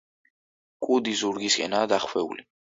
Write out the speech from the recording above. კუდი ზურგისკენაა დახვეული.